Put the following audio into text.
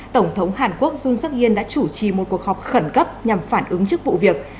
tổng thống hàn quốc jun seok in đã chủ trì một cuộc họp khẩn cấp nhằm phản ứng trước vụ việc